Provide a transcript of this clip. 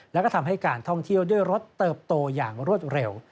แล้วก็ทำให้การท่องเที่ยวด้วยรถเติบโตอย่างรวดเร็ว